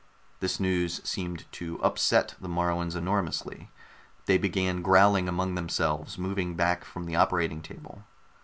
This news seemed to upset the Moruans enormously. They began growling among themselves, moving back from the operating table.